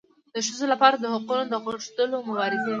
د ښځو لپاره د حقونو د غوښتلو مبارزې